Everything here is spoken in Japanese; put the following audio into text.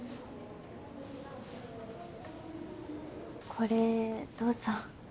これどうぞ。